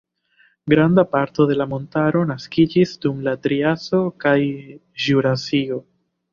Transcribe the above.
Granda parto de la montaro naskiĝis dum la triaso kaj ĵurasio.